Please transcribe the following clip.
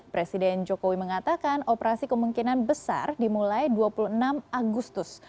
presiden jokowi mengatakan operasi kemungkinan besar dimulai dua puluh enam agustus